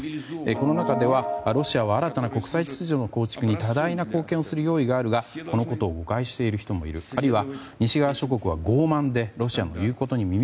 この中ではロシアは新たな国際秩序の構築に多大な貢献をする用意があるがこのことを名誉とは